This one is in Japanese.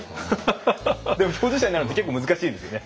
でも共事者になるって結構難しいですよね